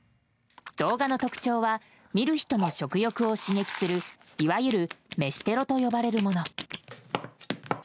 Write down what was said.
動画の特徴は見る人の食欲を刺激するいわゆる飯テロと呼ばれるもの。